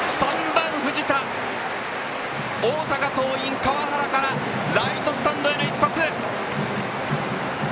３番、藤田大阪桐蔭の川原からライトスタンドへの一発！